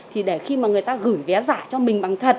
thì để khi mà người ta gửi vé giả cho mình bằng thật